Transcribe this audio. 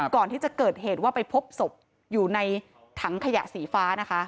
ก่อนที่จะเกิดเหตุว่าไปพบศพอยู่ในถังขยะสีฟ้านะคะ